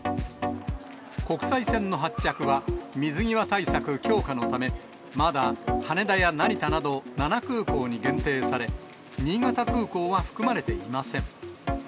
国際線の発着は水際対策強化のため、まだ羽田や成田など７空港に限定され、新潟空港は含まれていません。